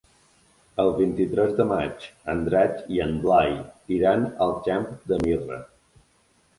El vint-i-tres de maig en Drac i en Blai iran al Camp de Mirra.